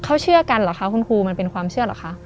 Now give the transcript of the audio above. เขาเชื่อกันเหรอคะคุณครูมันเป็นความเชื่อเหรอคะ